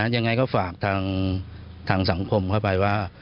ยังไงก็ฝากทางสังคมเข้าไปว่า